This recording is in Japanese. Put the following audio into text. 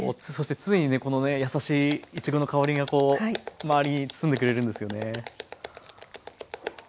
そして常にね優しいいちごの香りが周りに包んでくれるんですよね。